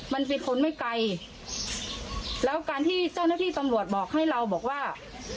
มันเป็นคนไม่ไกลแล้วการที่เจ้าหน้าที่ตำรวจบอกให้เราบอกว่า